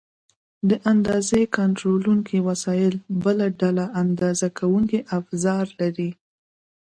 د اندازې کنټرولونکي وسایل بله ډله اندازه کوونکي افزار دي.